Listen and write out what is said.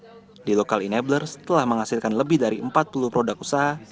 produk di local enablers telah menghasilkan lebih dari empat puluh produk usaha